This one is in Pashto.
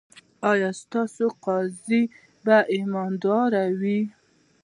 ایا ستاسو قاضي به ایماندار وي؟